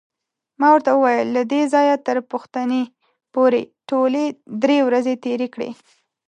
ما ورته وویل: له دې ځایه تر پوښتنې پورې ټولې درې ورځې تېرې کړې.